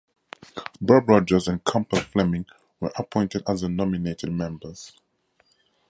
Bob Rogers and Campbell Fleming were appointed as the nominated members.